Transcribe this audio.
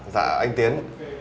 dạ anh tiến